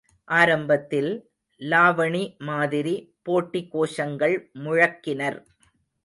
ஆரம்பத்தில், லாவணி மாதிரி போட்டி கோஷங்கள் முழங்கினர்.